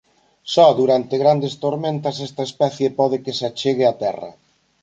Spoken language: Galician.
Só durante grandes tormentas esta especie pode que se achegue a terra.